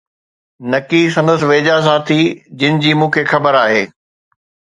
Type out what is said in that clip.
نڪي سندس ويجھا ساٿي، جن جي مون کي خبر آھي.